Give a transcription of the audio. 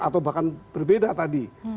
atau bahkan berbeda tadi